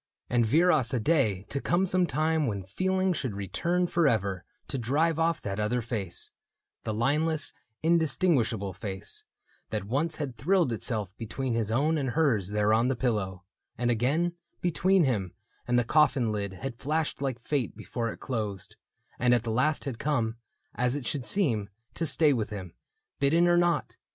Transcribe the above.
And viras a day To come some time when feeling should return Forever to drive ofF that other face — The lineless, indistinguishable face — That once had thrilled itself between his own And hers there on the pillow, — and again Between him and the coffin lid had flashed Like fate before it closed, — and at the last Had come, as it should seem, to stay with him, Bidden or not